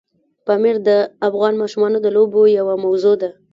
پامیر د افغان ماشومانو د لوبو یوه موضوع ده.